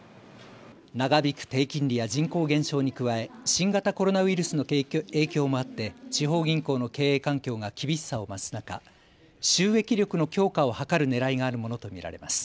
長引く低金利や人口減少に加え新型コロナウイルスの影響もあって地方銀行の経営環境が厳しさを増す中、収益力の強化を図るねらいがあるものと見られます。